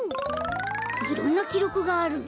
いろんなきろくがあるね。